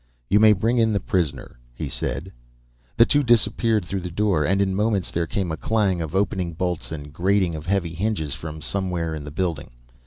"You may bring in the prisoner," he said. The two disappeared through the door, and in moments there came a clang of opening bolts and grating of heavy hinges from somewhere in the building.